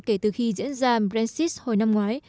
kể từ khi diễn ra brexit hồi năm ngoái